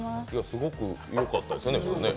すごくよかったですよね。